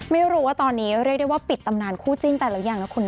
ไม่รู้ว่าตอนนี้เรียกได้ว่าปิดตำนานคู่จิ้นไปแล้วยังนะคุณนะ